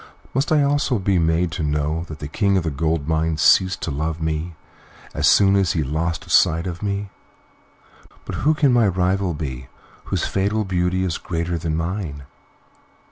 Must I also be made to know that the King of the Gold Mines ceased to love me as soon as he lost sight of me? But who can my rival be, whose fatal beauty is greater than mine?"